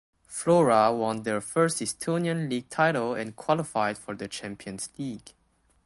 Flora won their first Estonian league title and qualified for the Champions League.